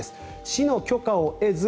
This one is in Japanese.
市の許可を得ず